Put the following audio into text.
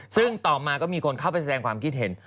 ซึ่งต่อมาก็มีคนเข้าไปแสดงความคิดเห็น